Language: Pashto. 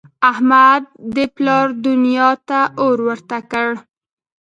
احمد د پلار دونیا ته اور ورته کړ.